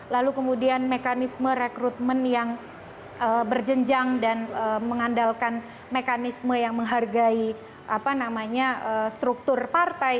lalu kemudian mekanisme rekrutmen yang berjenjang dan mengandalkan mekanisme yang menghargai struktur partai